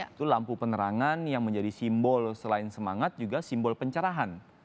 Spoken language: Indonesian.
itu lampu penerangan yang menjadi simbol selain semangat juga simbol pencerahan